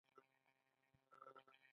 د هلمند په موسی قلعه کې د رخام نښې شته.